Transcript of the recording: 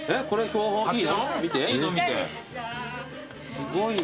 すごいね。